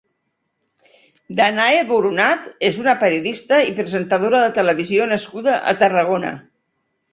Danae Boronat és una periodista i presentadora de televisió nascuda a Tarragona.